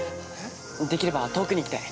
できれは遠くに行きたい！